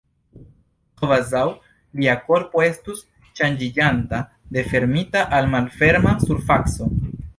Kvazaŭ lia korpo estus ŝanĝiĝanta de fermita al malferma surfaco.